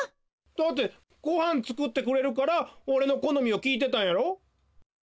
だってごはんつくってくれるからおれのこのみをきいてたんやろ？